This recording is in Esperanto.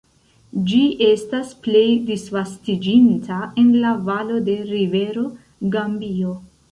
Ĝi estas plej disvastiĝinta en la valo de rivero Gambio.